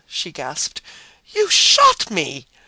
she gasped. "You shot me!"